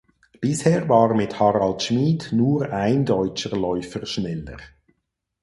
Bisher war mit Harald Schmid nur ein deutscher Läufer schneller.